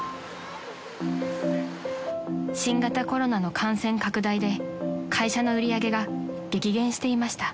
［新型コロナの感染拡大で会社の売り上げが激減していました］